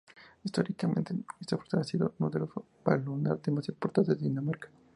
Históricamente, esta fortaleza ha sido uno de los baluartes más importantes de Dinamarca.